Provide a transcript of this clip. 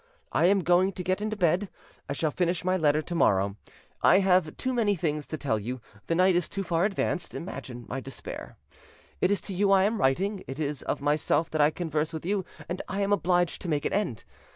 "I am going to get into bed; I shall finish my letter tomorrow: I have too many things to tell to you, the night is too far advanced: imagine my despair. It is to you I am writing, it is of myself that I converse with you, and I am obliged to make an end.